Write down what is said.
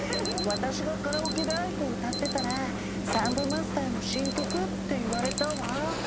私がカラオケでａｉｋｏを歌ってたら「サンボマスターの新曲？」って言われたわ。